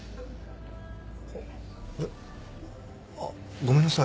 あれっ？あっごめんなさい。